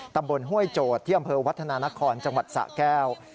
ห้วยโจทย์ที่อำเภอวัฒนานครจังหวัดสะแก้ว